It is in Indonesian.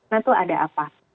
nah itu ada apa